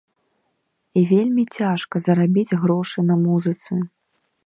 І вельмі цяжка зарабіць грошы на музыцы.